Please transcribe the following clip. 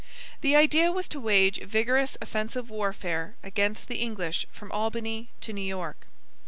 The idea was to wage vigorous offensive warfare against the English from Albany to New York.